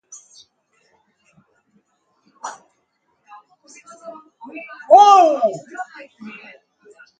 와우!